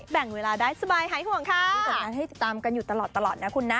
แบ่งเวลาได้สบายหายห่วงค่ะกลับมาให้ตามกันอยู่ตลอดตลอดนะคุณน่า